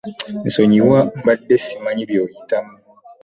Nsonyiwa mbadde simanyi by'oyitamu.